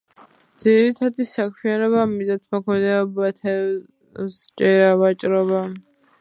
ძირითადი საქმიანობაა მიწათმოქმედება, თევზჭერა, ვაჭრობა.